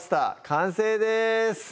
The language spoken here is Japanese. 完成です